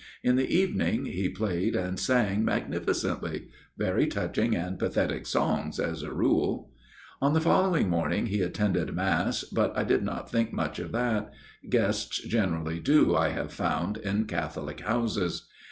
In the evening he played and sang magnificently ; very touching and pathetic songs, as a rule. " On the following morning he attended Mass, but I did not think much of that. Guests gener ally do, I have found, in Catholic houses.